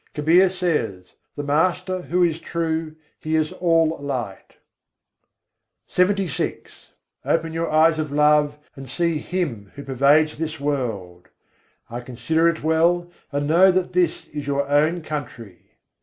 Kabîr says: "The Master, who is true, He is all light." LXXVI III. 48. tû surat nain nihâr Open your eyes of love, and see Him who pervades this world I consider it well, and know that this is your own country.